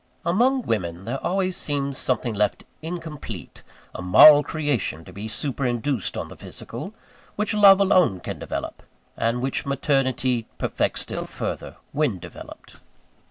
Among women, there always seems something left incomplete a moral creation to be superinduced on the physical which love alone can develop, and which maternity perfects still further, when developed.